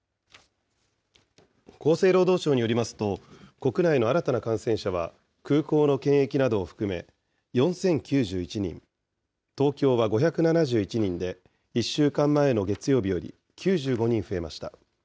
厚生労働省によりますと、国内の新たな感染者は、空港の検疫などを含め４０９１人、東京は５７１人で、１週間前の月曜日より９５人増えました。